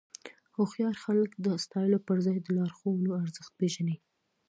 هوښیار خلک د ستایلو پر ځای د لارښوونو ارزښت پېژني.